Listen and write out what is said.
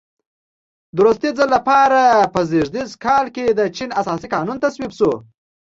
د وروستي ځل لپاره په زېږدیز کال کې د چین اساسي قانون تصویب شو.